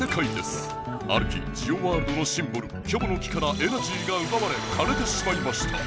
ある日ジオワールドのシンボルキョボの木からエナジーがうばわれかれてしまいました。